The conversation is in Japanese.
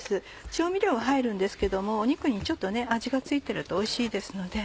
調味料は入るんですけども肉にちょっと味が付いてるとおいしいですので。